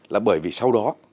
là bởi vì sau đó